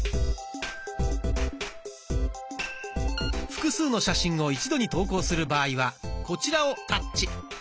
複数の写真を一度に投稿する場合はこちらをタッチ。